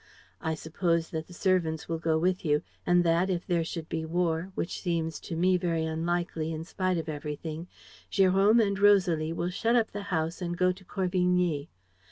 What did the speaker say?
I suppose that the servants will go with you and that, if there should be war (which seems to me very unlikely, in spite of everything), Jérôme and Rosalie will shut up the house and go to Corvigny.